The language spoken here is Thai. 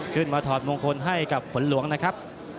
ถอดมงคลให้กับฝนหลวงนะครับ